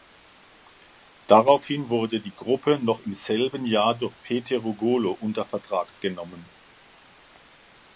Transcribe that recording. Daraufhin wurde die Gruppe noch im selben Jahr durch Pete Rugolo unter Vertrag genommen.